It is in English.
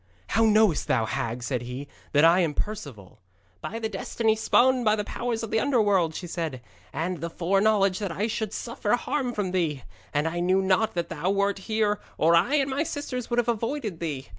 'How knowest thou, hag,' said he, 'that I am Perceval?' 'By the destiny spun by the powers of the Underworld,' she said, 'and the foreknowledge that I should suffer harm from thee. And I knew not that thou wert here, or I and my sisters would have avoided thee.